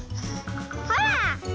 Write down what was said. ほら！